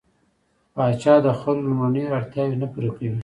پاچا د خلکو لومړنۍ اړتياوې نه پوره کوي.